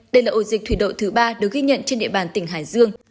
đây là ổ dịch thủy đội thứ ba được ghi nhận trên địa bàn tỉnh hải dương